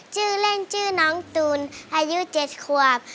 ชื่อเล่นชื่อน้องตูนอายุ๗ขวบ